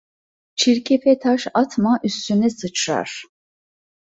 Çirkefe taş atma, üstüne sıçrar.